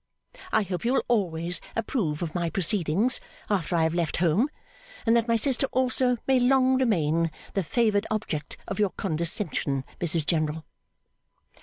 I hope you will always approve of my proceedings after I have left home and that my sister also may long remain the favoured object of your condescension, Mrs General.